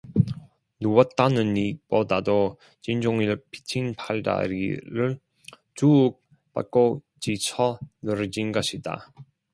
누웠다느니보다도 진종일 삐친 팔다리를 쭈욱 뻗고 지쳐 늘어진 것이다.